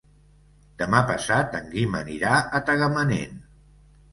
Demà passat en Guim anirà a Tagamanent.